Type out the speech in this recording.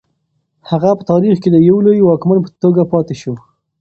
هغه په تاریخ کې د یو لوی واکمن په توګه پاتې شو.